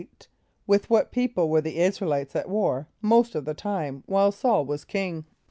= With what people were the [)I][s+]´ra el [=i]tes at war most of the time while S[a:]ul was king?